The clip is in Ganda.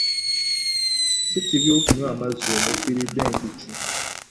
Si kibi okunywa amazzi omufiiridde enjuki.